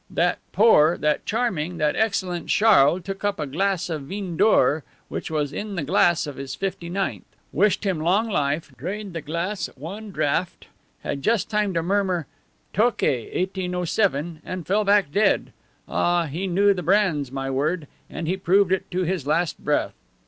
That poor, that charming, that excellent Charles took up a glass of vin dore which was in the glass of this fifty ninth, wished him long life, drained the glass at one draught, had just time to murmur, 'Tokay, 1807,' and fell back dead! Ah, he knew the brands, my word! and he proved it to his last breath!